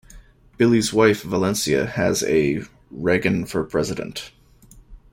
Billy's wife, Valencia, has a Reagan for President!